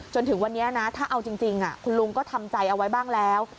จนถึงวันนี้นะถ้าเอาจริงคุณลุงก็ทำใจเอาไว้บ้างแล้ว